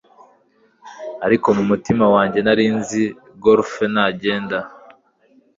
ariko mumutima wanjye nari nzi, golf nagenda